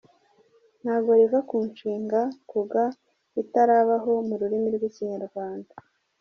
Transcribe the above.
Ntabwo riva ku nshinga “kuga” itanabaho mu rurimi rw’ikinyarwanda.